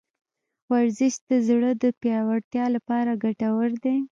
ورزش د زړه د پیاوړتیا لپاره ګټور دی.